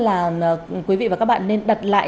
là quý vị và các bạn nên đặt lại